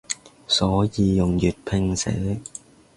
所以用粵拼寫